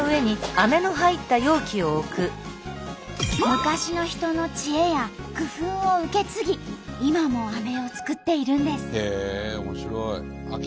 昔の人の知恵や工夫を受け継ぎ今もアメを作っているんです。